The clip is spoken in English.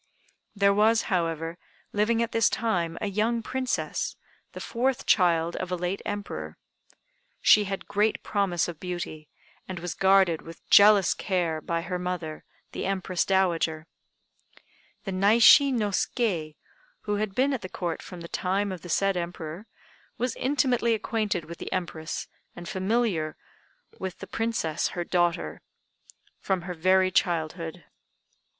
There was, however, living at this time a young Princess, the fourth child of a late Emperor. She had great promise of beauty, and was guarded with jealous care by her mother, the Empress Dowager. The Naishi no Ske, who had been at the Court from the time of the said Emperor, was intimately acquainted with the Empress and familiar with the Princess, her daughter, from her very childhood.